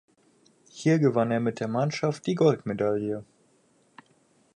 Hier gewann er mit der Mannschaft die Goldmedaille.